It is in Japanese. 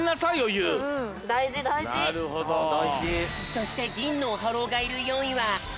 そしてぎんのオハローがいる４いはええ！